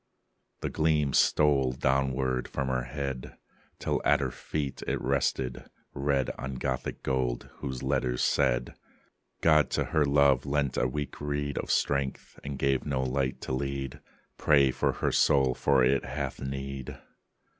The gleam stole downward from her head, Till at her feet it rested, red On Gothic gold, whose letters said: "God to her love lent a weak reed Of strength: and gave no light to lead: Pray for her soul: for it hath need."